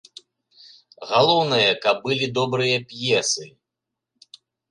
Галоўнае, каб былі добрыя п'есы.